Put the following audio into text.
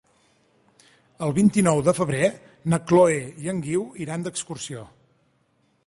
El vint-i-nou de febrer na Chloé i en Guiu iran d'excursió.